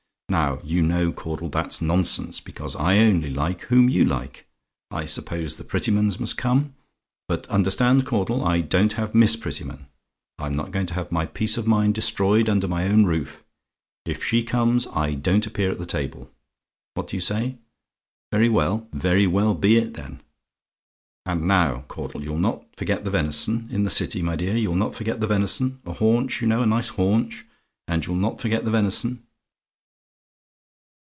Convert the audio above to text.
"Now, you know, Caudle, that's nonsense; because I only like whom you like. I suppose the Prettymans must come? But understand, Caudle, I don't have Miss Prettyman: I'm not going to have my peace of mind destroyed under my own roof! if she comes, I don't appear at the table. What do you say? "VERY WELL? "Very well be it, then. "And now, Caudle, you'll not forget the venison? In the City, my dear? You'll not forget the venison? A haunch, you know; a nice haunch. And you'll not forget the venison